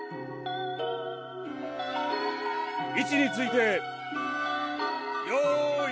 位置についてよい。